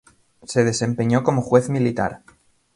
Se desempeñó como juez militar.